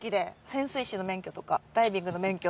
潜水士の免許とかダイビングの免許とか。